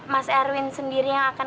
mas erwin sendiri yang akan